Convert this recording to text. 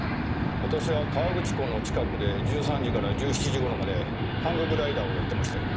私は河口湖の近くで１３時から１７時頃までハンググライダーをやってましたよ。